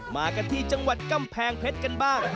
มากันที่จังหวัดกำแพงเพชรกันบ้าง